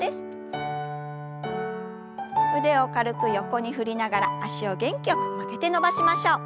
腕を軽く横に振りながら脚を元気よく曲げて伸ばしましょう。